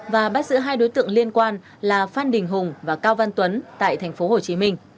và bắt giữ hai đối tượng liên quan là phan đình hùng và cao văn tuấn tại tp hcm